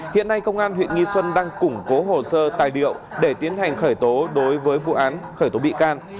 hiện nay công an huyện nghi xuân đang củng cố hồ sơ tài liệu để tiến hành khởi tố đối với vụ án khởi tố bị can